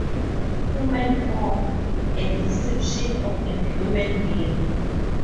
Human form: A depiction of a human being.